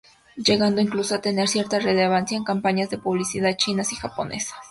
Llegando incluso a tener cierta relevancia en campañas de publicidad chinas y japonesas.